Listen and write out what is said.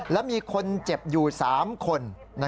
และมีคนเจ็บอยู่๓คน